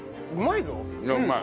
いやうまい！